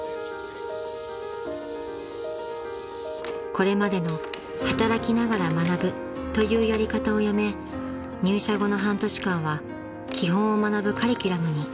［これまでの働きながら学ぶというやり方をやめ入社後の半年間は基本を学ぶカリキュラムに］